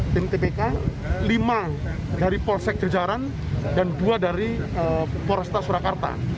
tim tpk lima dari polsek jejaran dan dua dari polresta surakarta